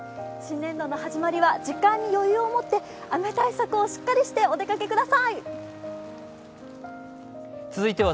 新年度の始まりは時間に余裕を持って雨対策をしっかりしてお出かけください。